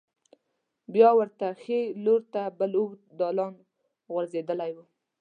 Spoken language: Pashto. بیا ورته ښې لور ته بل اوږد دالان غوځېدلی و.